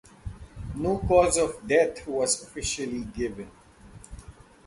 No cause of death was officially given.